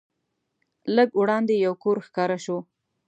لږ وړاندې یو کور ښکاره شو.